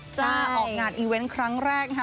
น้องมะลิจะออกงานอีเว้นต์ครั้งแรกค่ะ